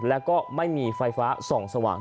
แล้วก็ไม่มีไฟฟ้าส่องสว่าง